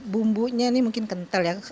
bumbunya ini mungkin kental ya